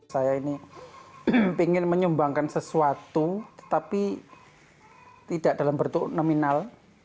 saya ini ingin menyumbangkan sesuatu tetapi tidak dalam bentuk nominal